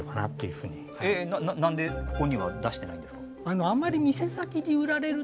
えっ何でここには出してないんですか？